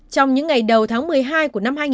trong những ngày đầu tháng một mươi hai của năm hai nghìn